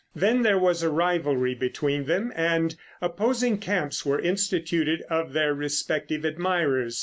Then there was a rivalry between them, and opposing camps were instituted of their respective admirers.